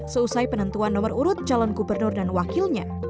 seusai penentuan nomor urut calon gubernur dan wakilnya